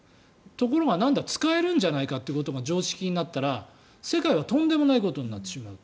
ところが、なんだ使えるんじゃないかってことが常識になったら世界はとんでもないことになってしまう。